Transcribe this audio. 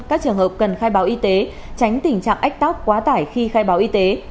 các trường hợp cần khai báo y tế tránh tình trạng ách tắc quá tải khi khai báo y tế